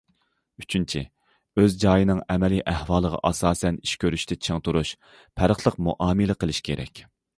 ئۈچىنچى، ئۆز جايىنىڭ ئەمەلىي ئەھۋالىغا ئاساسەن ئىش كۆرۈشتە چىڭ تۇرۇش، پەرقلىق مۇئامىلە قىلىش كېرەك.